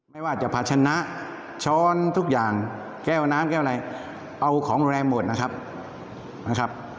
ไม่ว่าจะภาชนะช้อนทุกอย่างแก้วน้ำแก้วอะไรเอาของแรงหมดนะครับนะครับ